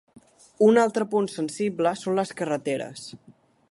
Un altre punt sensible són les carreteres.